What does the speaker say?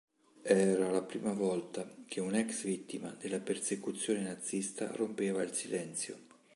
Era la prima volta che una ex vittima della persecuzione nazista rompeva il silenzio.